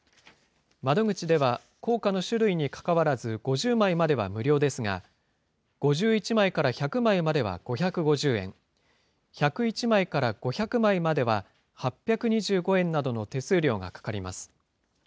窓口では、硬貨の種類にかかわらず、５０枚までは無料ですが、５１枚から１００枚までは５５０円、１０１枚から５００枚までは８２５円などの手数料がかかります。